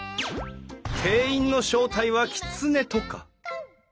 店員の正体はきつねとか？